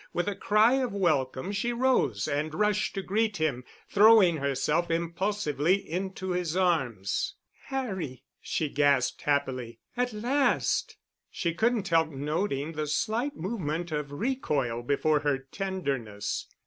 With a cry of welcome she rose and rushed to greet him, throwing herself impulsively into his arms. "Harry," she gasped happily, "at last!" She couldn't help noting the slight movement of recoil before her tenderness.